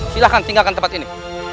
silahkan tinggalkan tempat ini